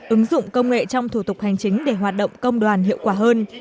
ứng dụng công nghệ trong thủ tục hành chính để hoạt động công đoàn hiệu quả hơn